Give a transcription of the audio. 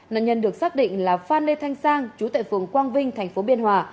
nạn nhân được xác định là phan lê thanh sang chú tại phường quang vinh thành phố biên hòa